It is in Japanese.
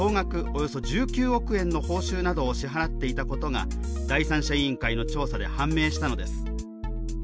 およそ１９億円の報酬などを支払っていたことが第三者委員会の調査で判明したのです。